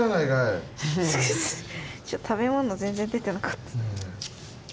食べ物全然出てなかった。